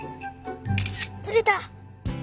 とれた！